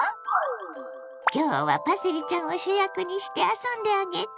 今日はパセリちゃんを主役にして遊んであげて！